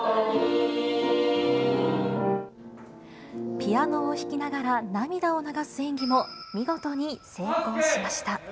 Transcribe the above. ピアノを弾きながら、涙を流す演技も見事に成功しました。